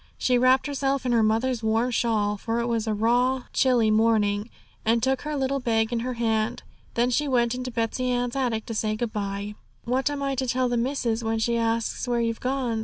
She wrapped herself in her mother's warm shawl, for it was a raw, chilly morning, and took her little bag in her hand. Then she went into Betsey Ann's attic to say good bye. 'What am I to tell the missis, when she asks where you've gone?'